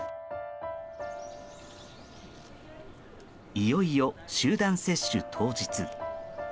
いよいよ集団接種当日。